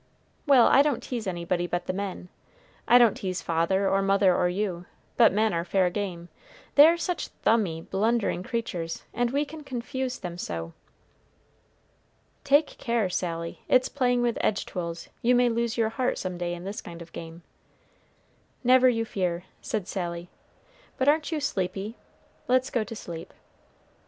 "Well, I don't tease anybody but the men. I don't tease father or mother or you, but men are fair game; they are such thumby, blundering creatures, and we can confuse them so." "Take care, Sally, it's playing with edge tools; you may lose your heart some day in this kind of game." "Never you fear," said Sally; "but aren't you sleepy? let's go to sleep."